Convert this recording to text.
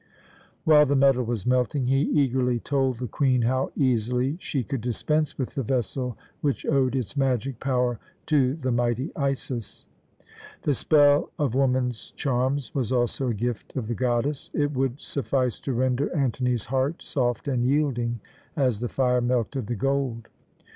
While the metal was melting he eagerly told the Queen how easily she could dispense with the vessel which owed its magic power to the mighty Isis. The spell of woman's charms was also a gift of the goddess. It would suffice to render Antony's heart soft and yielding as the fire melted the gold.